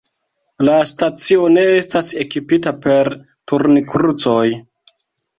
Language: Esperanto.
La stacio ne estas ekipita per turnkrucoj.